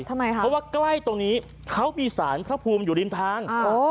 ทำไมคะเพราะว่าใกล้ตรงนี้เขามีสารพระภูมิอยู่ริมทาง